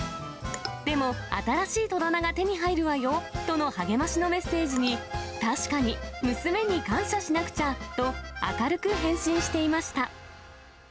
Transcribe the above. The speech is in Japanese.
でも、新しい戸棚が手に入るわよとの励ましのメッセージに、確かに娘に感謝しなくちゃと、明るく返信していました。